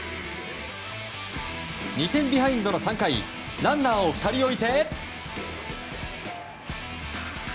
２点ビハインドの３回ランナーを２人置いて。